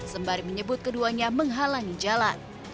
sembari menyebut keduanya menghalangi jalan